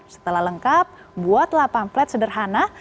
setelah lengkap buatlah pamplet sederhana